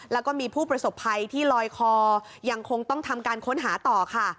แล้วก็มีผู้ประสบภัยที่ลอยคอยังคงต้องทำการค้นหาต่อค่ะ